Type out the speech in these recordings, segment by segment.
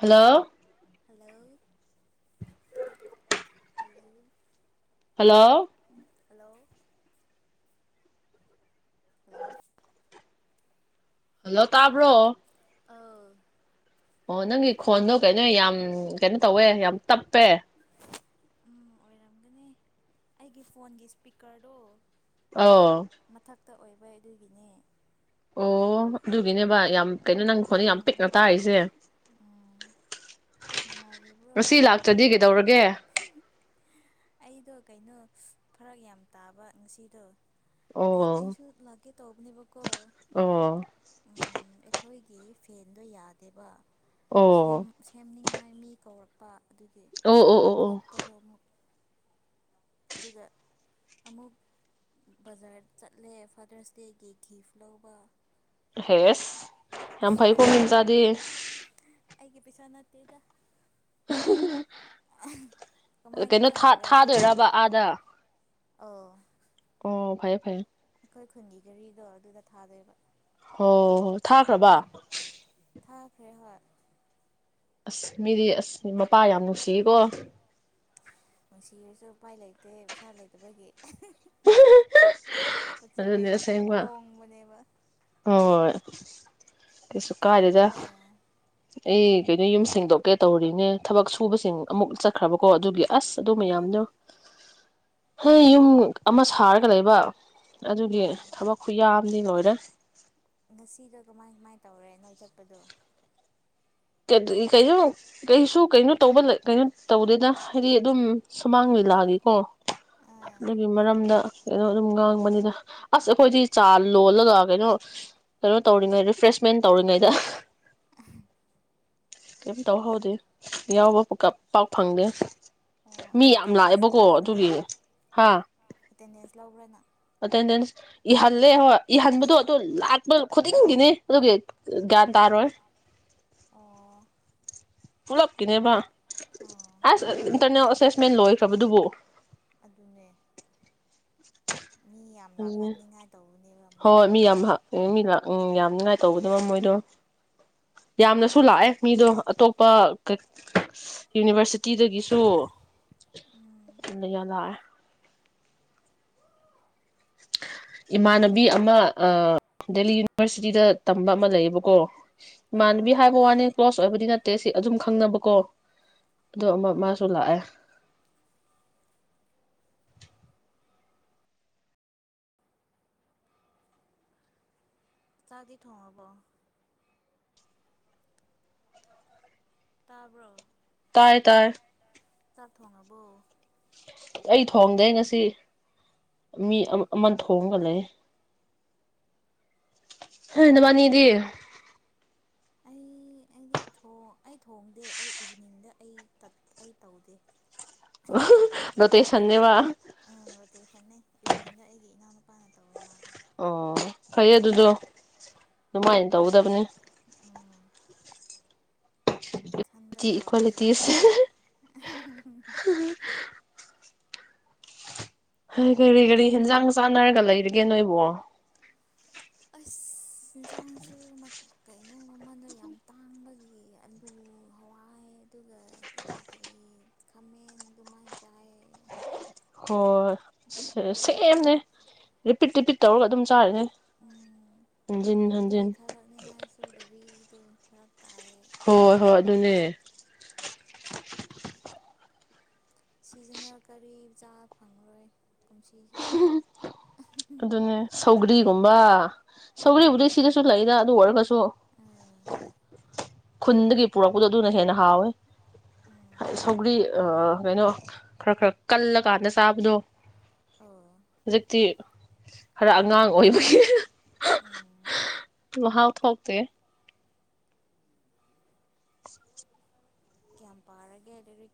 hello hello hello hello hello hello hello ꯇꯥꯕ꯭ꯔꯣ ꯑꯧ ꯑꯣ ꯅꯪꯒꯤ ꯈꯣꯟꯗꯣ ꯀꯩꯅꯣ ꯌꯥꯝ ꯀꯩꯅꯣ ꯇꯧꯋꯦ ꯌꯥꯝ ꯇꯞꯄꯦ ꯎꯝ ꯑꯣꯏꯔꯝꯒꯅꯤ ꯑꯩꯒꯤ ꯐꯣꯟꯒꯤ ꯏꯁꯄꯤꯀꯔꯗꯣ ꯑꯣ ꯇ ꯑꯣꯏꯕ ꯑꯗꯨꯒꯤꯅꯦ ꯑꯣ ꯑꯗꯨꯒꯤꯅꯦꯕ ꯌꯥꯝ ꯀꯩꯅꯣ ꯅꯪ ꯈꯣꯟꯗꯣ ꯌꯥꯝ ꯄꯤꯛꯅ ꯎꯝ ꯇꯥꯔꯤꯁꯦ ꯎꯝ ꯅꯨꯡꯉꯥꯏꯔꯤꯕ꯭ꯔꯣ ꯉꯁꯤ ꯂꯥꯛꯇ꯭ꯔꯗꯤ ꯀꯩꯗꯧꯔꯒꯦ ꯑꯩꯗꯣ ꯀꯩꯅꯣ ꯐꯔꯛ ꯌꯥꯝ ꯇꯥꯕ ꯉꯁꯤꯗꯣ ꯑꯩ ꯑꯣ ꯑꯩꯁꯨ ꯂꯥꯛꯀꯦ ꯇꯧꯕꯅꯦꯕꯀꯣ ꯑꯣ ꯎꯝ ꯑꯈꯣꯏꯒꯤ ꯐꯦꯟꯗꯣ ꯌꯥꯗꯦꯕ ꯁꯦꯝ ꯑꯣ ꯁꯦꯝꯅꯤꯡꯉꯥꯏ ꯃꯤ ꯀꯧꯔꯛꯄ ꯑꯗꯨꯒꯤ ꯑꯣ ꯑꯣ ꯑꯣ ꯑꯣ ꯊꯣꯛꯄꯗꯣ ꯑꯃꯨꯛ ꯑꯗꯨꯒ ꯑꯃꯨꯛ ꯕꯖꯥꯔ ꯆꯠꯂꯦ ꯐꯥꯗꯔꯁ ꯗꯦꯒꯤ ꯒꯤꯐ ꯂꯧꯕ ꯍꯦꯁ ꯌꯥꯝ ꯐꯩ ꯀꯣ ꯃꯤ ꯃꯆꯥꯗꯤ ꯑꯩꯒꯤ ꯄꯩꯁꯥ ꯅꯠꯇꯦꯗ [inaudible] ꯑ ꯀꯃꯥꯏ ꯀꯩꯅꯣ ꯀꯃꯥꯏ ꯊꯥꯗꯣꯏꯔꯕ ꯑꯥꯗ ꯑ ꯑꯣ ꯐꯥꯏꯌꯦ ꯐꯥꯏꯌꯦꯦ ꯑꯩꯈꯣꯏ ꯈꯨꯟꯒꯤ ꯘꯔꯤꯗꯣ ꯑꯗꯨꯗ ꯊꯥꯗꯣꯏꯕ ꯍ ꯊꯥꯈ꯭ꯔꯕ ꯊꯥꯈ꯭ꯔꯦ ꯍꯣꯏ ꯑꯁ ꯃꯤꯗꯤ ꯑꯁ ꯃꯄꯥ ꯌꯥꯝ ꯅꯨꯡꯁꯤꯌꯦꯀꯣ ꯅꯨꯡꯁꯤꯔꯁꯨ ꯎꯄꯥꯏ ꯂꯩꯇꯦ ꯄꯩꯁꯥ ꯂꯩꯇꯕꯒꯤ ꯄꯣꯠ ꯆꯩꯗ ꯑꯗꯨꯅꯦ ꯌꯥꯝ ꯑꯁꯦꯡꯕ ꯍꯣꯡꯕꯅꯦꯕ [inaudible] ꯀꯁꯨ ꯀꯥꯔꯗ ꯀꯩꯗꯧꯔꯤꯅꯣ ꯑꯩ ꯀꯩꯅꯣ ꯌꯨꯝ ꯁꯦꯡꯗꯣꯛꯀꯦ ꯇꯧꯔꯤꯅꯦ ꯊꯕꯛ ꯁꯨꯕꯁꯤꯡ ꯑꯃꯨꯛ ꯆꯠꯈ꯭ꯔꯕꯀꯣ ꯑꯗꯨꯒꯤ ꯑꯁ ꯑꯗꯨ ꯑꯥ ꯃꯌꯥꯝꯗꯣ ꯍꯣꯏ ꯌꯨꯝ ꯑꯃ ꯁꯥꯔꯒ ꯂꯩꯕ ꯑꯗꯨꯒꯤ ꯑꯣ ꯊꯕꯛ ꯈꯨ ꯌꯥꯝꯗꯤ ꯂꯣꯏꯔꯦ ꯉꯁꯤꯗꯣ ꯀꯃꯥꯏ ꯀꯃꯥꯏ ꯇꯧꯔꯦ ꯅꯣꯏ ꯆꯠꯄꯗꯣ ꯀꯩꯅꯣ ꯀꯩꯁꯨ ꯀꯩꯅꯣ ꯇꯧꯕ ꯀꯩꯅꯣ ꯇꯧꯗꯦꯗ ꯍꯥꯏꯗꯤ ꯑꯗꯨꯝ ꯁꯨꯃꯥꯡ ꯂꯤꯂꯥꯒꯤꯀꯣ ꯑꯥ ꯑꯗꯨꯒꯤ ꯃꯔꯝꯗ ꯀꯩꯅꯣ ꯑꯗꯨꯝ ꯉꯥꯡꯕꯅꯤꯗ ꯑꯁ ꯑꯩꯈꯣꯏꯗꯤ ꯆꯥ ꯂꯣꯜꯂꯒ ꯀꯩꯅꯣ ꯀꯩꯅꯣ ꯇꯧꯔꯤꯉꯩ ꯔꯤꯐ꯭ꯔꯦꯁꯃꯦꯟ ꯇꯧꯔꯤꯉꯩꯗ ꯀꯩꯝ ꯇꯧꯍꯧꯗꯦ ꯌꯥꯎꯕ ꯄꯥꯛ ꯐꯪꯗꯦ ꯑꯣ ꯃꯤ ꯑꯗꯣ ꯌꯥꯝ ꯑꯦꯇꯦꯟꯗꯦꯟꯁꯇꯤ ꯂꯥꯛꯑꯦꯕꯀꯣ ꯂꯧꯕ꯭ꯔꯥ ꯑꯗꯨꯒꯤ ꯍꯥ ꯑꯦꯇꯦꯟꯗꯦꯟꯁ ꯂꯧꯕ꯭ꯔꯥ ꯅꯪ ꯑꯦꯇꯦꯟꯗꯦꯟꯁ ꯏꯍꯜꯂꯦ ꯍꯣꯏ ꯏꯍꯟꯕꯗꯣ ꯂꯠꯃ ꯈꯣꯇꯗꯤꯅꯦꯒꯤ ꯒꯥꯟ ꯇꯥꯔ ꯑꯣ ꯄꯨꯂꯞꯀꯤꯅꯦꯕ ꯑꯥ ꯑꯁ ꯏꯟꯇꯔꯅꯦꯜ ꯑꯦꯁꯦꯁꯃꯦꯟ ꯂꯣꯏꯈ꯭ꯔꯕꯗꯨꯕꯨ ꯑꯗꯨꯅꯦ ꯃꯤ ꯌꯥꯝ [inaudible] ꯑꯗꯨꯅꯦ ꯂꯥꯛꯍꯟꯅꯤꯡꯉꯥꯏ ꯇꯧꯕꯅꯦꯕ ꯍꯣꯏ ꯃꯣꯏꯗꯣ ꯃꯤ ꯌꯥꯝ ꯃꯤ ꯂꯥꯛ ꯎꯝ ꯌꯥꯝ ꯌꯥꯝꯅꯤꯡꯉꯥꯏ ꯇꯧꯕꯗꯕ ꯃꯣꯏꯗꯣ ꯌꯥꯝꯅꯁꯨ ꯂꯥꯛꯑꯦ ꯃꯤꯗꯣ ꯑꯇꯣꯞꯄ ꯌꯨꯅꯤꯚꯔꯁꯤꯇꯤꯗꯒꯤꯁꯨ ꯎꯝ ꯌꯥꯝ ꯂꯥꯛꯑꯦ ꯏꯃꯥꯟꯅꯕꯤ ꯑꯃ ꯗꯦꯜꯂꯤ ꯌꯨꯅꯤꯚꯔꯁꯤꯇꯤꯗ ꯇꯝꯕ ꯑꯃ ꯂꯩꯌꯦꯕꯀꯣ ꯏꯃꯥꯟꯅꯕꯤ ꯑꯥ ꯍꯥꯏꯕ ꯋꯥꯅꯤ ꯀ꯭ꯂꯣꯁ ꯑꯣꯏꯕꯗꯤ ꯅꯠꯇꯦ ꯁꯤ ꯑꯗꯨꯝ ꯈꯪꯅꯕꯀꯣ ꯑꯗꯨ ꯑꯃ ꯑꯥ ꯃꯥꯁꯨ ꯂꯥꯛꯑꯦ ꯆꯥꯛꯇꯤ ꯊꯣꯡꯉꯕꯣ ꯇꯥꯕ꯭ꯔꯣ ꯇꯥꯏ ꯇꯥꯏ ꯆꯥꯛ ꯊꯣꯡꯉꯕꯣ ꯑꯩ ꯊꯣꯡꯗꯦ ꯉꯁꯤ ꯃꯤ ꯑꯣ ꯑꯃ ꯊꯣꯡꯉꯒ ꯂꯩ ꯍꯣꯏ ꯅꯕꯥꯅꯤꯗꯤ ꯑꯩ ꯑꯩꯗꯤ ꯑꯩ ꯊꯣꯡꯗꯦ ꯑꯩ ꯏꯚꯤꯅꯤꯡꯗ ꯑꯩ ꯑꯩ ꯇꯧꯗꯦ ꯂꯣꯇꯦꯁꯟꯅꯦꯕ ꯎꯝ ꯔꯣꯇꯦꯁꯟ ꯅꯦ ꯏꯚꯅꯤꯡꯗ ꯑꯩꯒꯤ ꯏꯅꯥꯎ ꯅꯄꯥꯅ ꯇꯧꯋꯦ ꯃꯥꯗꯣ ꯑꯣ ꯐꯩ ꯑꯗꯨꯗꯣ ꯑꯗꯨꯃꯥꯏꯅ ꯇꯧꯒꯗꯕꯅꯤ ꯎꯝ ꯏꯊꯟꯗ ꯇꯤ ꯇꯧꯔꯗꯤ ꯏꯀ꯭ꯋꯥꯂꯤꯇꯤꯁ ꯍ ꯀꯔꯤ ꯀꯔꯤ ꯂꯥꯏꯔꯤꯛ ꯍꯟꯖꯥꯡ ꯆꯥꯟꯅꯔꯒ ꯂꯩꯔꯤꯒꯦ ꯅꯣꯏ ꯋꯥ ꯑꯁ ꯏꯟꯁꯥꯡꯁꯨ ꯀꯩꯅꯣ ꯃꯃꯜꯗ ꯌꯥꯝ ꯇꯥꯡꯕꯒꯤ ꯑꯜꯂꯨ ꯍꯋꯥꯏ ꯑꯗꯨꯒ ꯀꯔꯤ ꯀꯔꯤ ꯈꯥꯃꯦꯟ ꯑꯗꯨꯃꯥꯏꯅ ꯆꯥꯏ ꯍꯣꯏ ꯁꯦꯝꯅꯦ ꯔꯤꯄꯤꯠ ꯔꯤꯄꯤꯠ ꯇꯧꯔꯒ ꯑꯗꯨꯝ ꯆꯥꯔꯤꯅꯦ ꯎꯝ ꯍꯟꯖꯤꯟ ꯍꯟꯖꯤꯟ ꯈꯨꯟꯗꯒꯤ ꯊꯥꯔꯛꯅꯤꯉꯥꯏꯁꯨ ꯒꯥꯔꯤꯗꯣ ꯐꯔꯛ ꯇꯥꯏꯌꯦ ꯍꯣꯏ ꯍꯣꯏ ꯑꯗꯨꯅꯦ ꯁꯤꯖꯟꯅꯜ ꯀꯔꯤꯆꯥꯥ ꯐꯪꯉꯔꯣꯏ ꯀꯨꯝꯁꯤꯁꯦ ꯑꯗꯨꯅꯦ ꯁꯧꯒ꯭ꯔꯤꯒꯨꯝꯕ ꯁꯧꯒꯔꯤꯕꯨꯗꯤ ꯁꯤꯗꯁꯨ ꯎꯝ ꯂꯩꯗ ꯑꯗꯨ ꯑꯣꯏꯔꯒꯁꯨ ꯑꯥ ꯍꯣꯏ ꯈꯨꯟꯗꯒꯤ ꯄꯨꯔꯛꯄꯗꯣ ꯑꯗꯨꯅ ꯍꯦꯟꯅ ꯍꯥꯎꯋꯦ ꯎꯝ ꯁꯧꯒꯔꯤ ꯑ ꯀꯩꯅꯣ ꯈꯔ ꯈꯔ ꯀꯜꯂꯀꯥꯟꯗ ꯆꯥꯕꯗꯣ ꯑꯣ ꯍꯧꯖꯤꯛꯇꯤ ꯈꯔ ꯑꯉꯥꯡ ꯑꯣꯏꯕꯒꯤ ꯎꯝ ꯃꯍꯥꯎ ꯊꯣꯛꯇꯦ [inaudible] ꯀꯌꯥꯝ ꯄꯥꯔꯒꯦ ꯂꯥꯏꯔꯤꯛ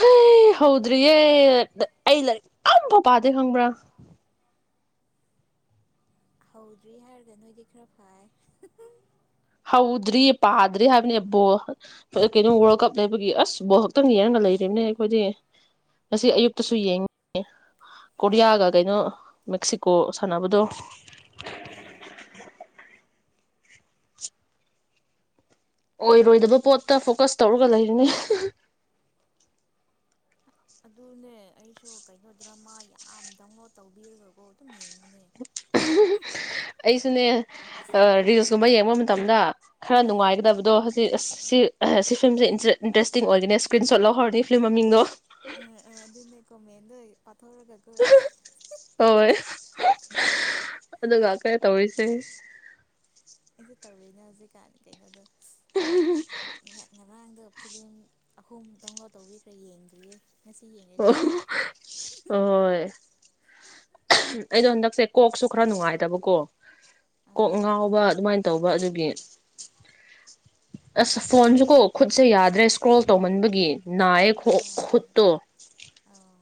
ꯍꯩ ꯍꯧꯗ꯭ꯔꯤꯌꯦ ꯑꯩ ꯂꯥꯏꯔꯤꯛ ꯑꯝꯐꯥꯎ ꯄꯥꯗꯦ ꯈꯪꯕ꯭ꯔꯥ ꯍꯧꯗ꯭ꯔꯤ ꯍꯥꯏꯔꯒ ꯅꯣꯏꯗꯤ ꯈꯔ ꯐꯥꯏ ꯍꯧꯗ꯭ꯔꯤ ꯄꯥꯗ꯭ꯔꯤ ꯍꯥꯏꯕꯅꯦ ꯕꯣꯜ ꯀꯩꯅꯣ ꯋꯥꯔꯜ ꯀꯞ ꯂꯩꯕꯒꯤ ꯑꯁ ꯕꯣꯜ ꯈꯛꯇꯪ ꯌꯦꯡꯉꯒ ꯑꯥ ꯂꯩꯔꯤꯕꯅꯦ ꯑꯩꯈꯣꯏꯗꯤ ꯉꯁꯤ ꯑꯌꯨꯛꯇꯁꯨ ꯌꯦꯡꯉꯤ ꯀꯣꯔꯤꯌꯥꯒ ꯀꯩꯅꯣ ꯃꯦꯛꯁꯤꯀꯣ ꯁꯥꯟꯅꯕꯗꯣ ꯑꯥ ꯑꯣꯏꯔꯣꯏꯗꯕ ꯄꯣꯠꯇ ꯐꯣꯀꯁ ꯇꯧꯔꯒ ꯂꯩꯔꯤꯅꯤ ꯑꯗꯨꯅꯦ ꯑꯩꯁꯨ ꯀꯩꯅꯣ ꯗ꯭ꯔꯃꯥ ꯌꯥꯝ ꯗꯥꯎꯟꯂꯣꯗ ꯇꯧꯕꯤꯔꯒꯀꯣ ꯑꯗꯨꯝ ꯌꯦꯡꯉꯤ ꯑꯩꯁꯨꯅꯦ ꯑꯥ ꯔꯤꯜꯁ ꯨꯝꯕ ꯌꯦꯡꯕ ꯃꯇꯝꯗ ꯈꯔ ꯑꯥ ꯅꯨꯡꯉꯥꯏꯒꯗꯕꯗꯣ ꯍꯧꯖꯤꯛ ꯑꯁ ꯁꯤ ꯁꯤ ꯐꯤꯂꯝꯁꯦ ꯏꯟꯇꯔꯦꯁꯇꯤꯡ ꯑꯣꯏꯒꯅꯦ ꯁ꯭ꯀ꯭ꯔꯤꯟ ꯁꯣꯠ ꯂꯧꯍꯧꯔꯅꯤ ꯐꯤꯂꯝ ꯃꯡꯗꯣ ꯑ ꯑꯗꯨꯅꯦ ꯀꯣꯃꯦ ꯇꯧꯔꯒꯒ ꯍꯣꯏ ꯑꯗꯨꯒ ꯀꯔꯤ ꯇꯧꯔꯤꯁꯦ ꯀꯩꯅ ꯍꯧꯖꯤꯛ ꯀꯥꯟꯅ ꯀꯩꯅꯣꯗꯣ ꯀ ꯉꯃꯥꯡꯗ ꯐꯂꯝ ꯑꯍꯨꯝ ꯗꯥꯎꯟꯂꯣꯗ ꯇꯧꯕꯤꯈ꯭ꯔꯦ ꯌꯦꯡꯗ꯭ꯔꯤꯌꯦ ꯉꯁꯤ ꯌꯦꯡꯉꯅꯤ ꯑꯣ ꯑꯣ ꯑꯩꯗꯣ ꯍꯟꯗꯛꯁꯦ ꯀꯣꯛꯁꯨ ꯈꯔ ꯅꯨꯡꯉꯥꯏꯇꯕꯀꯣ ꯀꯣꯛ ꯑꯥ ꯉꯥꯎꯕ ꯑꯗꯨꯃꯥꯏꯅ ꯇꯧꯕ ꯑꯗꯨꯒꯤ ꯑꯁ ꯐꯣꯟꯁꯨ ꯀꯣ ꯈꯨꯠꯁꯦ ꯌꯥꯗ꯭ꯔꯦ ꯏꯁꯀ꯭ꯔꯣꯜ ꯇꯧꯃꯟꯕꯒꯤ ꯅꯥꯏꯌꯦ ꯑꯥ ꯈꯨꯠꯇꯣ ꯑꯧ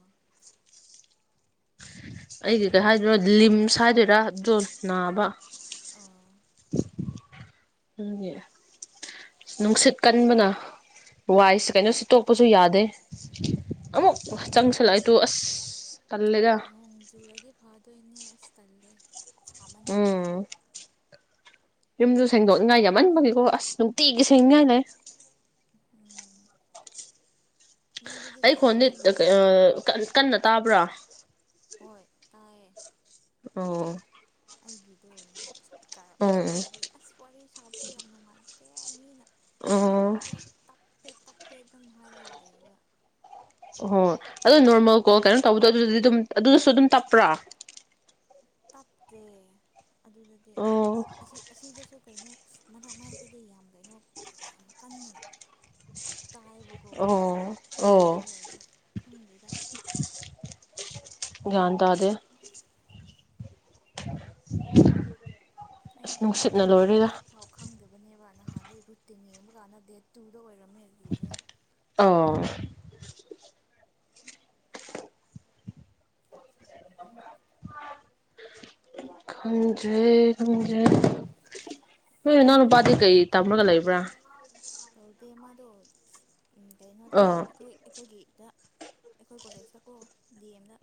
ꯑꯩꯒꯤ ꯀꯩ ꯑꯗꯨꯅꯦ ꯍꯥꯏꯗꯣꯏꯔꯣ ꯂꯤꯝꯁ ꯍꯥꯏꯗꯣꯏꯔꯥ ꯑꯗꯨꯜꯅꯥꯕ ꯑꯧ ꯑꯗꯨꯒꯤ ꯅꯨꯡꯁꯤꯠ ꯀꯟꯕꯅ ꯋꯥꯏꯁꯤ ꯀꯩꯅꯣꯁꯤ ꯇꯣꯛꯄꯁꯨ ꯌꯥꯗꯦ ꯑꯃꯨꯛ ꯆꯪꯁꯜꯂꯛꯑꯗꯨꯣ ꯑꯁ ꯇꯜꯂꯦꯗ ꯅꯣꯡꯖꯨꯔꯒ ꯐꯥ ꯇꯣꯏꯅꯦ ꯑꯁꯇꯥꯂꯦ ꯁꯥꯃꯟꯕꯒꯤ ꯎꯝ ꯌꯨꯝꯁꯨ ꯁꯦꯡꯗꯣꯛꯅꯤꯡꯉꯥꯏ ꯌꯥꯝꯃꯟꯕꯒꯤꯀꯣ ꯑꯁ ꯅꯨꯡꯇꯤꯒꯤ ꯁꯦꯡꯅꯤꯉꯥꯏ ꯂꯩ ꯎꯝ ꯅꯣꯏꯗꯗꯤ ꯑꯩ ꯈꯔ ꯈꯣꯟꯗꯤ ꯏꯪꯔꯝꯒꯅꯤ ꯀꯟꯅ ꯇꯥꯕ꯭ꯔꯥ ꯍꯣꯏ ꯇꯥꯏꯌꯦꯦ ꯑꯣ ꯑꯩꯒꯤꯗ ꯏꯁꯄꯤꯀꯔ ꯎꯝ ꯎꯝ ꯃꯊꯛꯇ ꯑꯣꯏꯕꯒꯤ ꯑꯁ ꯋꯥꯔꯤ ꯁꯥꯒꯞꯗꯣ ꯌꯥꯝ ꯅꯨꯡꯉꯥꯏ ꯞ ꯑꯣ ꯇꯞꯄꯦ ꯇꯞꯄꯦ ꯑꯗꯨꯝ ꯍꯥꯏꯔꯒ ꯂꯩꯕ ꯍꯣ ꯑꯗꯣ ꯅꯣꯔꯃꯦꯜ ꯀꯣ ꯀꯩꯅꯣ ꯇꯧꯕꯗꯣ ꯑꯗꯨꯗꯗꯤ ꯑꯗꯨꯝ ꯑꯗꯨꯗꯁꯨ ꯑꯗꯨꯝ ꯇꯞꯄ꯭ꯔꯥ ꯇꯞꯇ ꯑꯗꯨꯗꯗꯤ ꯑꯣ ꯑꯁꯤ ꯑꯁꯤꯗꯁꯨ ꯀꯩꯅꯣ ꯃꯔꯛ ꯃꯔꯛꯇꯗꯤ ꯌꯥꯝ ꯀꯩꯅꯣ ꯌꯥꯝ ꯀꯟꯅ ꯇꯥꯏꯕꯀꯣ ꯑꯣ ꯑꯣ ꯑꯗꯨ ꯑꯣꯏꯔꯁꯨ ꯈꯪꯗꯣꯏꯗ ꯭ꯟ ꯇꯗ [unintelligible] ꯑꯁ ꯑꯩꯗꯣ ꯅꯨꯡꯁꯤꯠꯅ ꯑꯦꯛꯖꯥꯝꯒꯤ ꯂꯣꯏꯔꯦꯗ ꯗꯦꯠ ꯐꯥꯎ ꯈꯪꯗꯕꯅꯦꯕ ꯅꯍꯥꯟꯗꯣ ꯔꯨꯇꯤꯅꯦ ꯑꯃꯨꯛ ꯀꯥꯟꯗꯦ ꯇꯨꯗ ꯑꯣꯏ ꯑꯣ ꯈꯪꯗꯦ ꯈꯪꯗꯦ ꯅꯣꯏ ꯅꯍꯪ ꯅꯨꯄꯥꯗꯤ ꯀꯩ ꯇꯝꯃꯒ ꯂꯩꯕ꯭ꯔꯥ ꯑꯗꯨꯗ ꯑꯃꯗ ꯀꯩꯅꯣꯗ ꯑꯣ ꯑꯩꯈꯣꯏ ꯑꯩꯈꯣꯏꯒꯤꯗ ꯑꯩꯈꯣꯏ ꯀꯂꯦꯖ ꯆꯀꯣ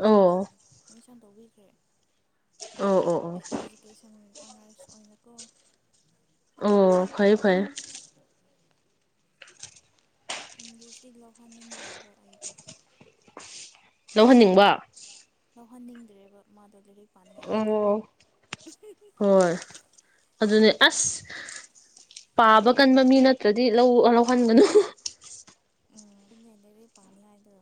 ꯑꯣ [unintelligible] ꯥ ꯇꯧꯕꯤꯈ꯭ꯔꯦ ꯑꯣ ꯑꯣ ꯑꯣ ꯑꯣꯔꯁ ꯑꯣꯏꯅ ꯑꯣꯏꯅꯀꯣ ꯑꯣ ꯐꯩ ꯐꯩ ꯏꯪꯂꯤꯁꯁꯤ ꯂꯧꯍꯟꯅꯤꯡꯈ꯭ꯔꯦꯕ ꯑꯩꯗꯣ ꯂꯧꯍꯟꯅꯤꯡꯕ ꯂꯧꯍꯟꯅꯤꯡꯗ꯭ꯔꯦꯕ ꯃꯥꯗꯣ ꯂꯥꯏꯔꯤꯛ ꯄꯥꯅꯤꯡꯉꯥꯏ ꯌꯥꯝ ꯑꯣ ꯇꯜꯂꯦ ꯍꯣꯏ ꯑꯗꯨꯅꯦ ꯑꯁ ꯄꯥꯕ ꯀꯟꯕ ꯃꯤ ꯅꯠꯇ꯭ꯔꯗꯤ ꯂꯧꯍꯟꯒꯅꯨ ꯎꯝ ꯄꯥꯟꯂꯗꯣ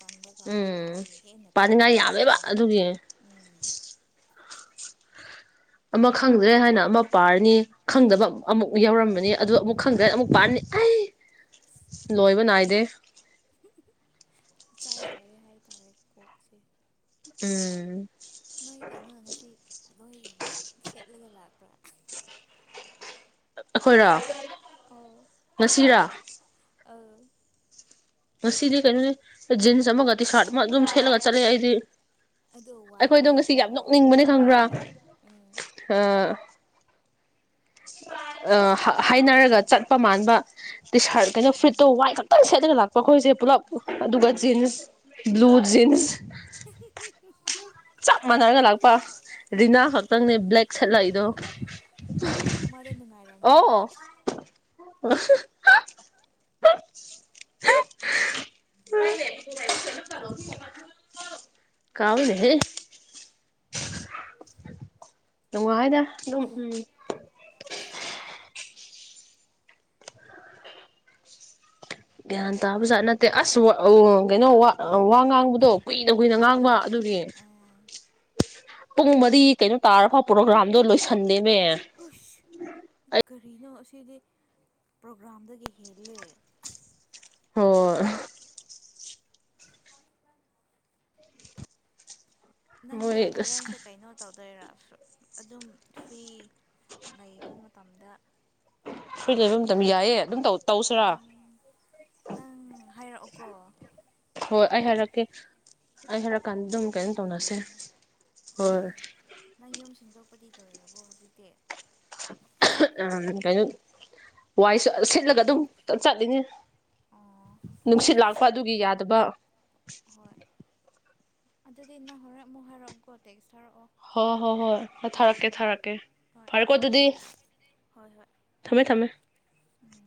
ꯇꯟꯕ ꯀꯥꯟꯅ ꯎꯝ ꯃꯥꯔꯤ ꯍꯦꯟꯅ ꯄꯥꯅꯤꯡꯉꯥꯏ ꯌꯥꯝꯃꯦꯕ ꯇꯜꯂꯦꯕꯒꯨꯝ ꯑꯗꯨꯒꯤ ꯎꯝ ꯑꯃ ꯈꯪꯗ꯭ꯔꯦ ꯍꯥꯏꯅ ꯑꯃ ꯄꯥꯔꯅꯤ ꯈꯪꯗꯕ ꯑꯃꯨꯛ ꯌꯥꯎꯔꯝꯕꯅꯤ ꯑꯗꯨ ꯑꯃꯨꯛ ꯈꯪꯗ꯭ꯔꯦ ꯑꯃꯨꯛ ꯄꯅꯤ ꯂꯣꯏꯕ ꯅꯥꯏꯗꯦ ꯑꯣꯁꯦ ꯎꯝ ꯂꯣꯏ ꯌꯦꯡꯕ ꯍꯥꯏ ꯁꯦꯠꯂꯒ ꯂꯥꯛꯄ꯭ꯔꯥ ꯑꯩꯈꯣꯏꯔꯣ ꯅꯁꯤꯔꯥ ꯑ ꯁꯤꯗꯤ ꯀꯩꯅꯣꯅꯦ ꯖꯤꯟꯁ ꯑꯃꯒꯗꯤ ꯁꯥꯔꯠ ꯑꯃ ꯑꯗꯨꯝ ꯁꯦꯠꯂꯒ ꯆꯠꯂꯦ ꯑꯩꯗꯤ ꯑꯗꯣ ꯑꯩꯈꯣꯏꯗꯣ ꯋꯥꯏꯠꯅꯦ ꯉꯁꯤ ꯌꯥꯝ ꯑꯣꯏ ꯅꯣꯛꯅꯤꯡꯕꯅꯤ ꯈꯪꯕ꯭ꯔꯥ ꯎꯝ ꯎꯝ ꯑ ꯍꯥꯏꯅꯔꯒ ꯆꯠꯄ ꯃꯥꯟꯕ ꯇꯤ ꯁꯥꯔꯠ ꯀꯩꯅꯣ ꯎꯝ ꯐꯤꯠꯇꯣ ꯋꯥꯏ ꯈꯛꯇꯪ ꯁꯦꯠꯂꯒ ꯂꯥꯛꯄ ꯑꯩꯈꯣꯏꯁꯦ ꯄꯨꯂꯞ ꯑꯗꯨꯒ ꯖꯤꯟꯁ ꯕ꯭ꯂꯨ ꯖꯤꯟꯁ ꯆꯞ ꯃꯥꯟꯅꯔꯒ ꯂꯥꯛꯄ ꯔꯤꯅꯥ ꯈꯛꯇꯪꯅꯦ ꯕ꯭ꯂꯦꯛ ꯁꯠꯂꯛꯏꯗꯣ ꯃꯗ ꯅꯨꯡꯉꯥꯏꯔꯝ ꯃꯣꯏ [inaudible] [inaudible] ꯀꯥꯎꯏꯅ ꯋꯥꯏꯗ ꯎꯝ ꯒ꯭ꯌꯥꯟ ꯇꯥꯕꯖꯥꯠ ꯅꯠꯇꯦ ꯑꯁ ꯎ ꯀꯩꯅꯣ ꯋꯥ ꯉꯥꯡꯕꯗꯣ ꯀꯨꯏꯅ ꯀꯨꯏꯅ ꯉꯥꯡꯕ ꯑꯥ ꯑꯗꯨꯒꯤ ꯑꯥ ꯄꯨꯡ ꯃꯔꯤ ꯀꯩꯅꯣ ꯇꯥꯔꯐꯥꯎ ꯄ꯭ꯔꯣꯒ꯭ꯔꯥꯝꯗꯣ ꯂꯣꯏꯁꯟꯗꯦꯃꯦ ꯍꯁ ꯀꯔꯤꯅꯣ ꯁꯤꯗꯤ ꯄ꯭ꯔꯣꯒ꯭ꯔꯥꯝꯗꯒꯤ ꯍꯦꯜꯂꯦ ꯑꯣ ꯅꯪꯗ ꯃꯣꯏ ꯑꯁ ꯍꯣꯔꯦꯟꯟꯁꯨ ꯀꯩꯅꯣ ꯇꯧꯗꯣꯏꯔꯣ ꯑꯗꯨꯝ ꯐ꯭ꯔꯤ ꯂꯩꯕ ꯃꯇꯝꯗ ꯁꯣꯏꯅ ꯑꯗꯨꯝ ꯃꯇꯝ ꯀꯩꯅꯣ ꯌꯥꯏꯌꯦ ꯑꯗꯨꯝ ꯇꯧꯁꯤꯔꯥ ꯎꯝ ꯅꯪ ꯍꯥꯏꯔꯛꯑꯣꯀꯣ ꯍꯣꯏ ꯑꯩ ꯍꯥꯏꯔꯛꯀꯦ ꯑꯩ ꯍꯥꯏꯔꯛꯀꯦ ꯑꯗꯨꯝ ꯀꯩꯅꯣ ꯇꯧꯅꯁꯦ ꯎꯝ ꯍꯣꯏ ꯄꯗꯤꯗ ꯑꯣꯏꯔꯕꯣ ꯍꯧꯖꯤꯛꯇꯤ ꯀꯩꯅꯣ ꯋꯥꯏꯁꯨ ꯁꯤꯠꯂꯒ ꯑꯗꯨꯝ ꯆꯠꯂꯤꯅꯤ ꯑꯣ ꯅꯨꯡꯁꯤꯠ ꯂꯥꯛꯄ ꯑꯗꯨꯒꯤ ꯌꯥꯗꯕ ꯍꯣꯏ ꯑꯗꯨꯗꯤ ꯏꯅ ꯍꯔ ꯃꯣꯍꯔꯒꯣ ꯇꯦꯛ ꯍꯣꯏ ꯍꯣꯏ ꯍꯣꯏ ꯊꯥꯔꯛꯀꯦ ꯊꯥꯔꯛꯀꯦ ꯍꯣꯏ ꯐꯔꯦꯀꯣ ꯑꯗꯨꯗꯤ ꯍꯣꯏ ꯍꯣꯏ ꯊꯝꯃꯦ ꯊꯝꯃꯦ ꯎꯝ